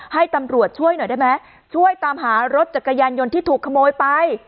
ให้ตำรวจช่วยหน่อยได้ไหมช่วยตามหารถจักรยานยนต์ที่ถูกขโมยไป